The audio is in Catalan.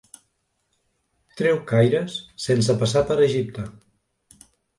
Treu caires sense passar per Egipte.